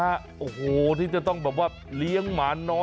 แมวที่จะต้องเลี้ยงหมาน้อยกันว่า